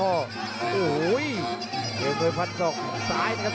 โอ้โหเอกอำนวยพัดส่องซ้ายนะครับ